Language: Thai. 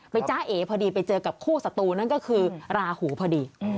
จ้าเอพอดีไปเจอกับคู่ศัตรูนั่นก็คือราหูพอดี